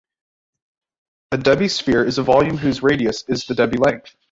A Debye sphere is a volume whose radius is the Debye length.